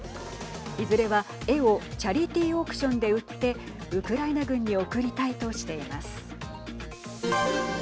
いずれは絵をチャリティーオークションで売ってウクライナ軍に贈りたいとしています。